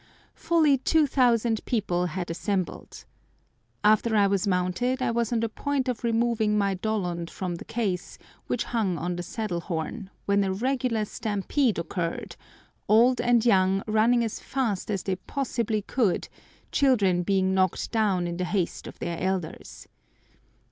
Fully 2000 people had assembled. After I was mounted I was on the point of removing my Dollond from the case, which hung on the saddle horn, when a regular stampede occurred, old and young running as fast as they possibly could, children being knocked down in the haste of their elders.